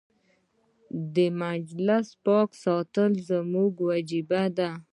د مسجد پاک ساتل زموږ وجيبه ده.